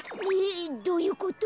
えどういうこと？